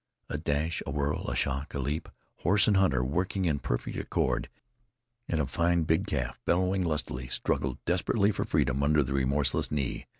A dash, a swirl, a shock, a leap, horse and hunter working in perfect accord, and a fine big calf, bellowing lustily, struggled desperately for freedom under the remorseless knee.